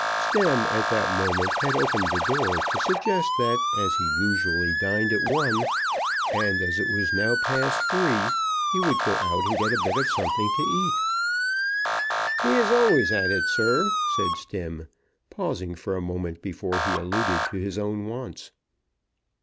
Stemm at that moment had opened the door to suggest that as he usually dined at one, and as it was now past three, he would go out and get a bit of something to eat. "He's always at it, sir," said Stemm, pausing for a moment before he alluded to his own wants.